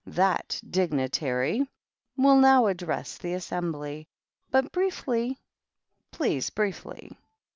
That dignitary will now address the assembly, — but briefly, please, briefly."